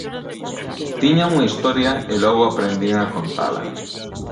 Tiña unha historia e logo aprendín a contala.